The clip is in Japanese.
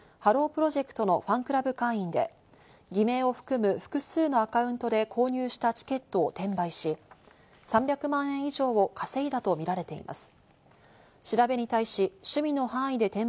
プロジェクトのファンクラブ会員で偽名を含む複数のアカウントで購入したチケットを転売し、３００万円以上を稼いだとみられています。